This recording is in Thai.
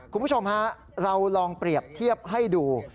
คุณผู้ชมฮะเราลองเปรียบเทียบให้ดู